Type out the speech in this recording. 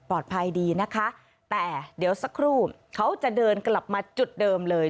ภายดีนะคะแต่เดี๋ยวสักครู่เขาจะเดินกลับมาจุดเดิมเลย